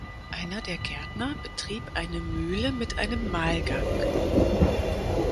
Einer der Gärtner betrieb eine Mühle mit einem Mahlgang.